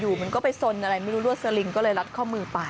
มันก็ไปสนอะไรไม่รู้รวดสลิงก็เลยรัดข้อมือไป